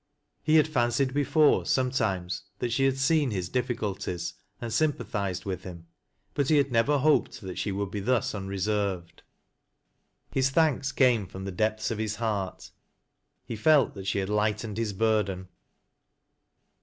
He had fancied before, sometimes, that she had seen his difficulties, and sympathized with him, but he had never hoped that she would be thus unreserved. His thanks came from ^lie depths of his heart ; he felt thai she had lightened his burden.